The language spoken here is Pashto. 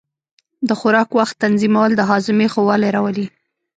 د خوراک وخت تنظیمول د هاضمې ښه والی راولي.